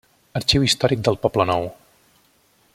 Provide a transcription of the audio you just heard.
Arxiu Històric del Poblenou.